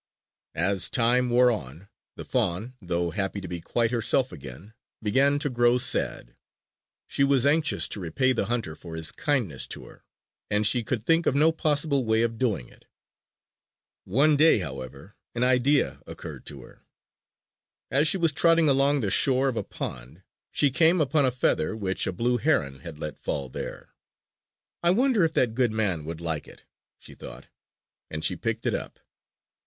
As time wore on, the fawn, though happy to be quite herself again, began to grow sad. She was anxious to repay the hunter for his kindness to her; and she could think of no possible way of doing it. One day, however, an idea occurred to her. As she was trotting along the shore of a pond she came upon a feather which a blue heron had let fall there. "I wonder if that good man would like it?" she thought. And she picked it up.